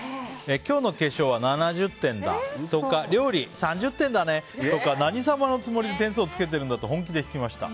今日の化粧は７０点だとか料理、３０点だねとか何様のつもりで点数をつけてるんだと本気で引きました。